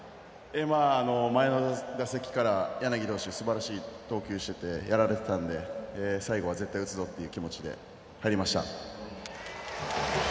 前の打席から、柳投手すばらしい投球しててやられていたので最後は絶対打つぞという気持ちで入りました。